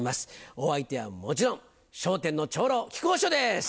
お相手はもちろん『笑点』の長老木久扇師匠です。